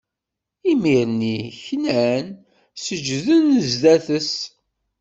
Imir-nni knan, seǧǧden zdat-s.